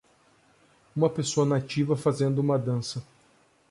Uma pessoa nativa fazendo uma dança.